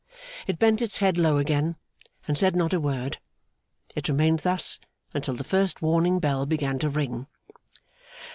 It bent its head low again, and said not a word. It remained thus, until the first warning bell began to ring.